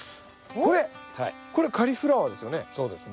これカリフラワーですよね？